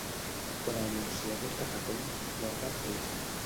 Quan el Montsià porta capell, guarda't d'ell.